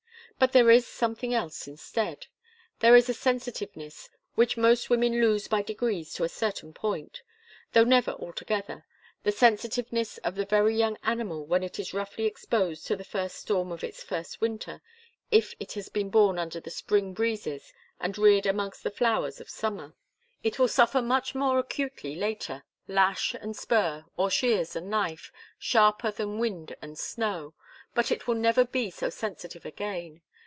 But there is something else instead. There is a sensitiveness which most women lose by degrees to a certain point, though never altogether, the sensitiveness of the very young animal when it is roughly exposed to the first storm of its first winter, if it has been born under the spring breezes and reared amongst the flowers of summer. It will suffer much more acutely later, lash and spur, or shears and knife, sharper than wind and snow, but it will never be so sensitive again.